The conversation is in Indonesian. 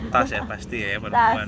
tas ya pasti ya ya perempuan